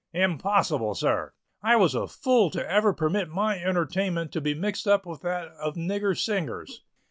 "Impossible, sir! I was a fool to ever permit my entertainment to be mixed up with that of nigger singers."